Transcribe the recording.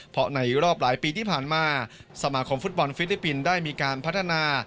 เพราะในรอบหลายปีที่ผ่านมาสมาคมฟุตบอลฟิลิปปินส์ได้มีการพัฒนา